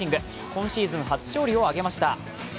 今シーズン初勝利を挙げました。